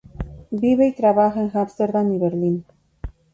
Vive y trabaja entre Ámsterdam y Berlín.